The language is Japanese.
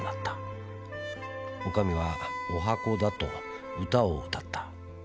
「女将は十八番だと歌を歌った」